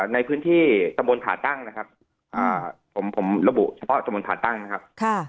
ในพื้นที่สมศาติตั้งนะครับผมลบุเฉพาะสมศาติตั้งนะครับ